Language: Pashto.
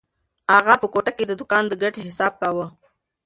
اغا په کوټه کې د دوکان د ګټې حساب کاوه.